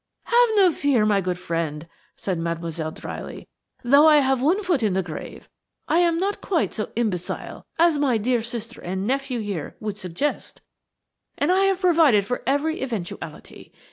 "Have no fear, my good friend," said Mademoiselle, dryly; "though I have one foot in the grave I am not quite so imbecile as my dear sister and nephew here would suggest, and I have provided for every eventuality.